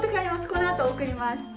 このあと送ります。